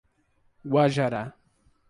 Guajará